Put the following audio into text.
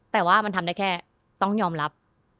แต่ว่ามันทำได้แค่ต้องยอมรับ